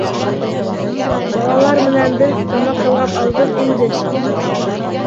-Балалар менән беҙ тамаҡ ялғап алдыҡ инде.